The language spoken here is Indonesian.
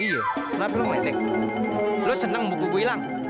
iya kenapa lo ngelitik lo seneng buku buku hilang